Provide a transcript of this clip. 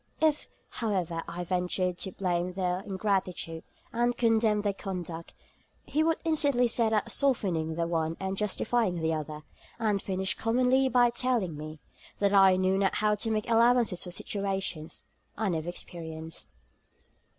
If, however, I ventured to blame their ingratitude, and condemn their conduct, he would instantly set about softening the one and justifying the other; and finished commonly by telling me, that I knew not how to make allowances for situations I never experienced.'